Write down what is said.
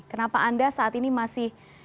kenapa anda saat ini masih bisa berada di sana